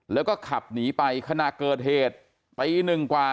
แล้วก็ขับหนีไปขณะเกิดเหตุตีหนึ่งกว่า